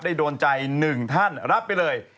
โดนใจ๑ท่านรับไปเลย